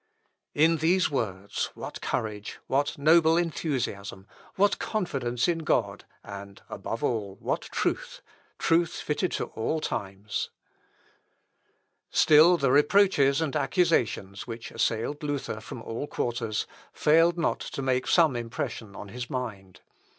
In these words what courage, what noble enthusiasm, what confidence in God, and, above all, what truth, truth fitted to all times! Still the reproaches and accusations which assailed Luther from all quarters, failed not to make some impression on his mind.